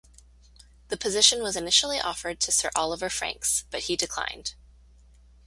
The position was initially offered to Sir Oliver Franks, but he declined.